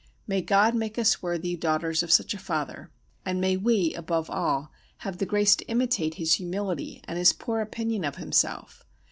May God make us worthy daughters of such a Father, and may we above all have the grace to imitate his humility and his poor opinion of himself!